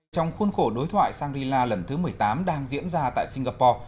trong khuôn khổ đối thoại shangri la lần thứ một mươi tám đang diễn ra tại singapore